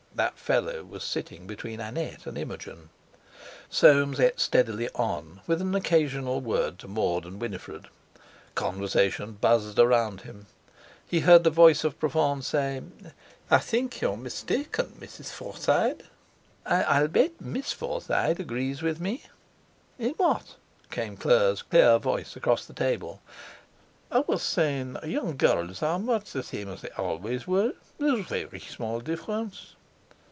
That fellow was sitting between Annette and Imogen. Soames ate steadily on, with an occasional word to Maud and Winifred. Conversation buzzed around him. He heard the voice of Profond say: "I think you're mistaken, Mrs. Forsyde; I'll—I'll bet Miss Forsyde agrees with me." "In what?" came Fleur's clear voice across the table. "I was sayin', young gurls are much the same as they always were—there's very small difference."